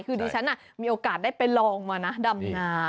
คือดิฉันมีโอกาสได้ไปลองมานะดำนา